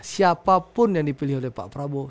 siapapun yang dipilih oleh pak prabowo